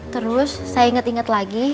terus saya inget inget lagi